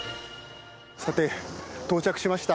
さて到着しました。